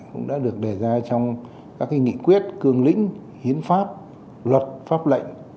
cũng đã được đề ra trong các nghị quyết cương lĩnh hiến pháp luật pháp lệnh